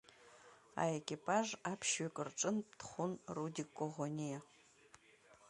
Аекипаж аԥшьҩык рҿынтә дхәын Рудик Коӷониа.